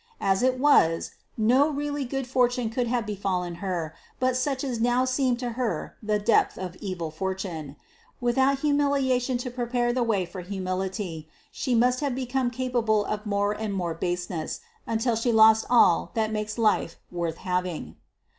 As it was, no really good fortune could have befallen her but such as now seemed to her the depth of evil fortune. Without humiliation to prepare the way for humility, she must have become capable of more and more baseness, until she lost all that makes life worth having.